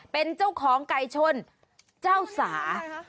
เป็นเจ้าของไก่ชนเจ้าสา